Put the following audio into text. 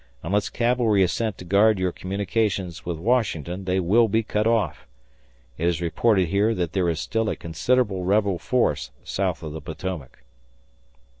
Unless cavalry is sent to guard your communications with Washington, they will be cut off. It is reported here that there is still a considerable rebel force south of the Potomac.